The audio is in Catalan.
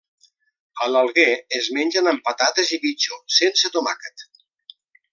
A l'Alguer es mengen amb patates i bitxo, sense tomàquet.